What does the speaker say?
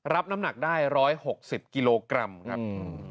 รับน้ำหนักได้๑๖๐กิโลกรัมครับ